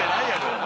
お前。